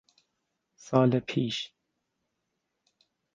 سال پیش